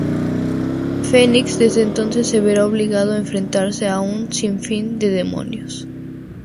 Fenix desde entonces se verá obligado a enfrentarse a un sin fin de demonios.